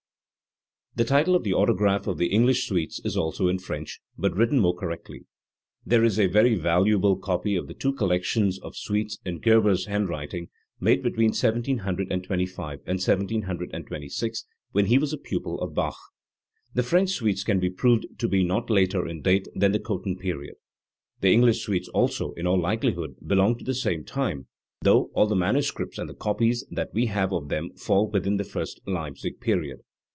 The title of the autograph of the English suites is also in French, but written more correctly. There is a very valuable copy of the two collections of suites in Gerber's hand writing, made between 1725 and 1726, when he was a pupil of Bach. The French suites can be proved to be not later in date than the Cothen period. The English suites also, in all likelihood, belong to the same time, though all the manu scripts and the copies that we have of them fall within the first Leipzig period.